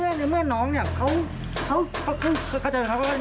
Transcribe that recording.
และความเป็นทั้งคู่นั่งไหน